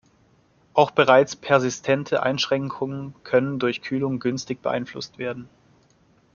Auch bereits persistente Einschränkungen können durch Kühlung günstig beeinflusst werden.